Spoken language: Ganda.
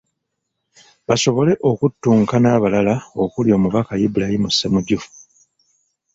Basobole okuttunka n’abalala okuli omubaka Ibrahim Ssemujju.